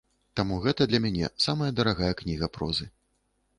Таму гэта для мяне самая дарагая кніга прозы.